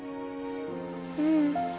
うん。